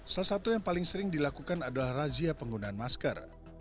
salah satu yang paling sering dilakukan adalah razia penggunaan masker